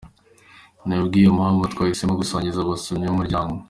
Ni ku bwiyo mpamvu twahisemo gusangiza abasomyi b’umuryango.